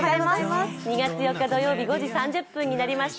２月４日土曜日、５時３０分になりました。